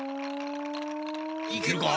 いけるか？